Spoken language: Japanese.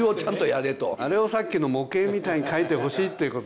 あれをさっきの模型みたいに描いてほしいということでしょうね。